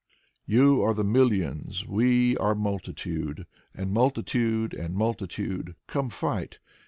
You are the millions, we are multitude And multitude and multitude. Come, fight!